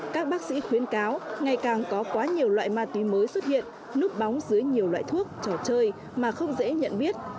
các bác sĩ khuyến cáo ngày càng có quá nhiều loại ma túy mới xuất hiện núp bóng dưới nhiều loại thuốc trò chơi mà không dễ nhận biết